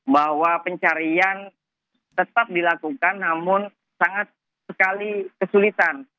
bahwa pencarian tetap dilakukan namun sangat sekali kesulitan